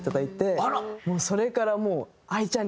それからもう。